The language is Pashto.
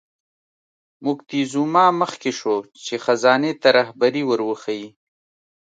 موکتیزوما مخکې شو چې خزانې ته رهبري ور وښیي.